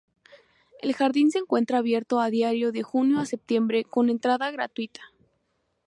El jardín se encuentra abierto a diario de junio a septiembre con entrada gratuita.